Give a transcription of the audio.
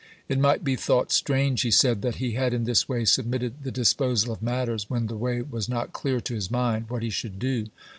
It might be thought strange, he said, that he had in this way submitted the disposal of matters when the way was not clear to his mind what he should do.